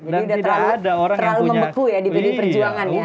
jadi sudah terlalu membeku ya di pd perjuangan ya